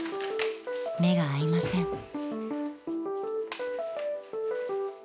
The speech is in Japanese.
［目が合いません］